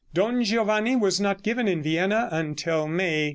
"Don Giovanni" was not given in Vienna until May, 1788.